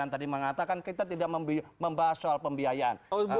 yang saya ingin mengatakan tadi kita tidak membahas soal pembiayaan